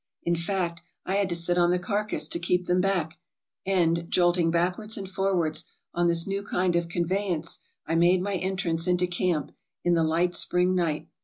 In fact, I had to sit on the carcass to keep them back, and, jolting backwards and forwards, on this new kind of conveyance I made my entrance into camp, in the light spring night.